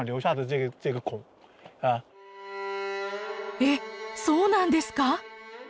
えっそうなんですか？